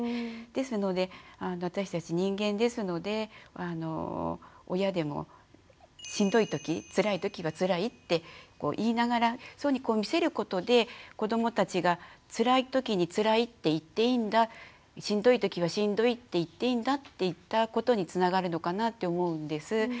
ですので私たち人間ですので親でもしんどいときつらいときはつらいって言いながらそういうふうに見せることで子どもたちがつらいときにつらいって言っていいんだしんどいときはしんどいって言っていいんだっていったことにつながるのかなって思うんです。